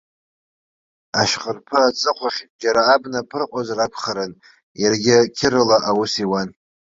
Ашьхарԥы аҵыхәахь џьара абна ԥырҟозар акәхарын, иаргьы қьырала аус иуан.